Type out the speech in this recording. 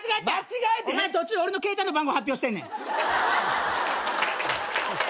お前途中俺の携帯の番号発表してんねん。